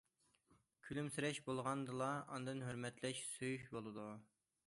كۈلۈمسىرەش بولغاندىلا ئاندىن ھۆرمەتلەش، سۆيۈش بولىدۇ.